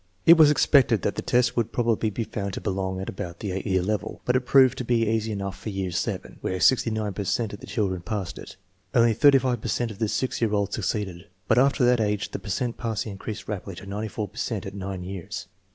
It was expected that the test would prob ably be found to belong at about the 8 year level, but it proved to be easy enough for year VII, where 69 per cent of the children passed it. Only 35 per cent of the 6 year olds succeeded, but after that age the per cent passing in creased rapidly to 94 per cent at 9 years.